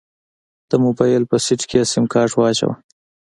د موبايل په سيټ کې يې سيمکارت واچوه.